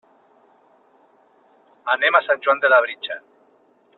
Anem a Sant Joan de Labritja.